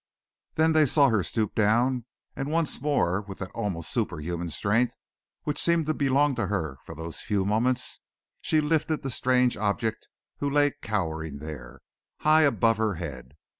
Then they saw her stoop down, and once more with that almost superhuman strength which seemed to belong to her for those few moments, she lifted the strange object who lay cowering there, high above her head.